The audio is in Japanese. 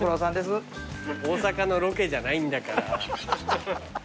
大阪のロケじゃないんだから。